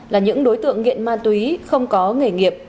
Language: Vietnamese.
là những đối tượng nghiện ma túy không có nghề nghiệp